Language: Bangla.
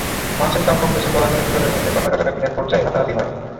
মাছের দাম কমবেশি বলা নিয়ে দুজনের মধ্যে কথা-কাটাকাটির একপর্যায়ে হাতাহাতি হয়।